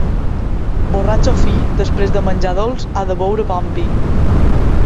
Borratxo fi, després de menjar dolç ha de beure bon vi.